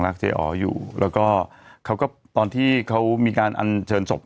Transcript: เจ๊อ๋ออยู่แล้วก็เขาก็ตอนที่เขามีการอันเชิญศพ